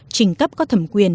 trình cấp có thẩm quyền